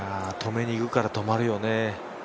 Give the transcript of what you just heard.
止めにいくから止まるよね。